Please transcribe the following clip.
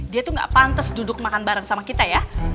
dia tuh gak pantas duduk makan bareng sama kita ya